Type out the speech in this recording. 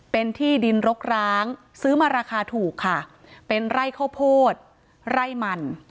เป็นที่ดินรกร้างซื้อมาราคาถูกค่ะเป็นไร่ข้าวโพดไร่มัน